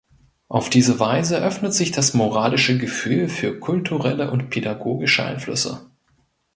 Auf diese Weise öffnet sich das moralische Gefühl für kulturelle und pädagogische Einflüsse.